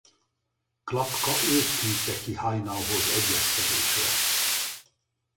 Klapka őt küldte ki Haynauhoz egyezkedésre.